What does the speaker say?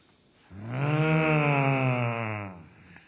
うん。